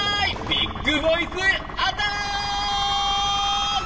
ビッグボイスアタック！